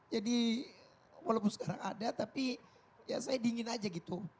jadi walaupun sekarang ada tapi ya saya dingin aja gitu